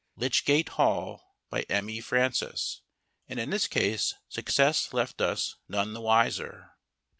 "Lychgate Hall," by M.E. Francis. And in this case, success left us none the wiser.